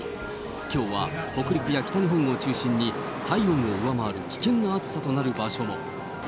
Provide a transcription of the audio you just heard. きょうは北陸や北日本を中心に体温を上回る危険な暑さとなる場所も。